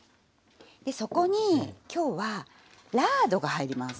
でそこに今日はラードが入ります。